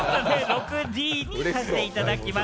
６Ｄにさせていただきます。